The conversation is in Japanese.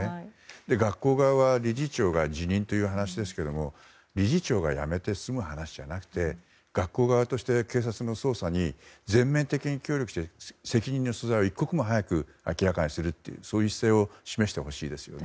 学校側は理事長が辞任という話ですけれども理事長が辞めて済む話じゃなくて学校側として警察の捜査に全面的に協力して責任の所在を一刻も早く明らかにするというそういう姿勢を示してほしいですね。